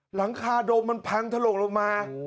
หลังคาโดมมันพักขโมะลงมา